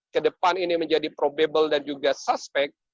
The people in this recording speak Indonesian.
ke depan ini menjadi probable dan juga suspect